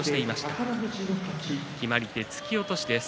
今日の決まり手は突き落としです。